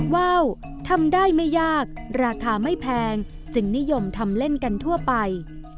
ว้าวทำได้ไม่ยากราคาไม่แพงจึงนิยมทำเล่นกันทั่วไป